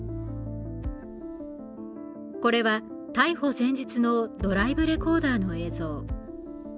これは逮捕前日のドライブレコーダーの映像。